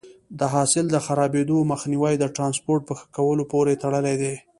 د حاصل د خرابېدو مخنیوی د ټرانسپورټ په ښه کولو پورې تړلی دی.